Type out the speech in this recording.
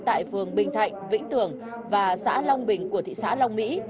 tại phường bình thạnh vĩnh tường và xã long bình của thị xã long mỹ